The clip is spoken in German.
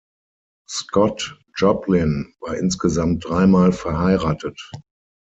Scott Joplin war insgesamt dreimal verheiratet.